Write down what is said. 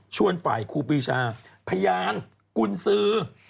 ชวนฝ่ายครูปีชาพยานกุลซื